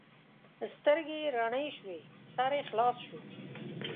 سترګې یې رڼې شوې؛ سر یې خلاص شو.